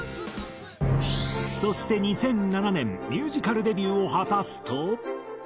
そして２００７年ミュージカルデビューを果たすと。